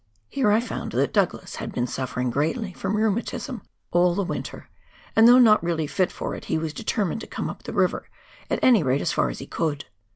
Here I found that Douglas had been suffering greatly from rheumatism all the winter, and though not really fit for it, he was determined to come up the river, at any rate as far as he could.